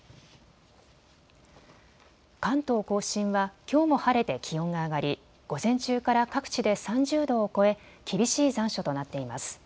関東甲信はきょうも晴れて気温が上がり午前中から各地で３０度を超え厳しい残暑となっています。